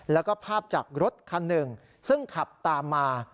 แล้วก็ภาพจากรถคันหนึ่งซึ่งขับตามมา